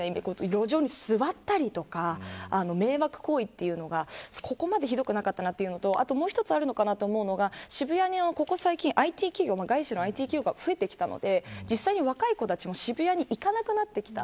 路上に座ったりとか迷惑行為というのがここまでひどくなかったというのとあともう一つあるかなと思うのが渋谷にここ最近、外資のＩＴ企業が増えてきたので実際に若い子たちも渋谷に行かなくなってきた。